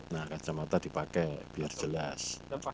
nah kacamata dipakai biar jelas